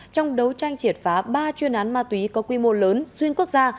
trong đấu tranh triệt phá ba chuyên án ma túy có quy mô lớn xuyên quốc gia